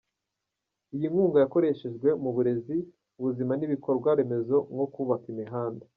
Iyi nkunga yakoreshejwe mu burezi, ubuzima n’ibikorwa remezo nko kubaka imihanda.